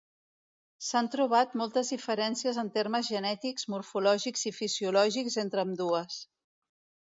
S'han trobat moltes diferències en termes genètics, morfològics i fisiològics entre ambdues.